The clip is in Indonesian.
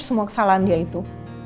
semua kesalahan dia itu